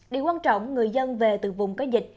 điều quan trọng người dân về từ vùng có dịch